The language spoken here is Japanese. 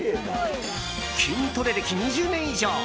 筋トレ歴２０年以上。